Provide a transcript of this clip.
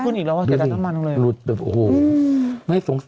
พรุ่งนี้น้ำมันขึ้นอีกแล้วว่าเก็บแต่น้ำมันตรงนี้